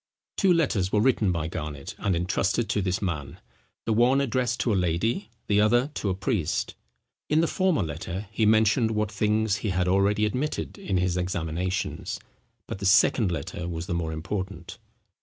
Two letters were written by Garnet, and entrusted to this man, the one addressed to a lady, the other to a priest. In the former letter he mentioned what things he had already admitted in his examinations; but the second letter was the more important.